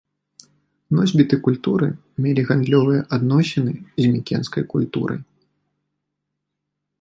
Носьбіты культуры мелі гандлёвыя адносіны з мікенскай культурай.